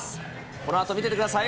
このあと見ててくださいよ。